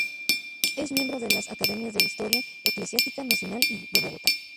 Es miembro de las Academias de Historia Eclesiástica Nacional y de Bogotá.